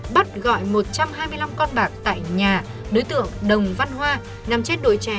bắt gọi một trăm hai mươi năm con bạc tại nhà đối tượng đồng văn hoa nằm trên đội trẻ